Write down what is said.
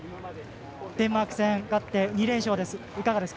デンマーク戦、勝って２連勝です。